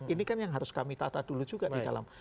ini kan yang harus kami tata dulu juga di dalam